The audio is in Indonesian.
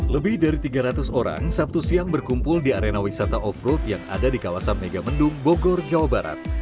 lebih dari tiga ratus orang sabtu siang berkumpul di arena wisata off road yang ada di kawasan megamendung bogor jawa barat